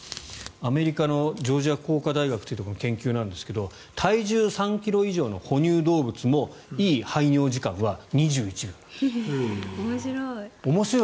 アメリカのジョージア工科大学というところの研究なんですけど体重３ｋｇ以上の哺乳動物も面白い。